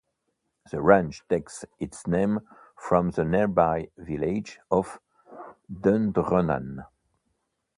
The range takes its name from the nearby village of Dundrennan.